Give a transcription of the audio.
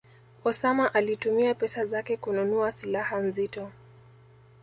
Osama alitumia pesa zake kununua silaha nzito